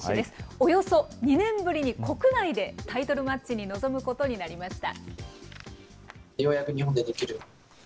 およそ２年ぶりに国内でタイトルマッチに臨むことになりました。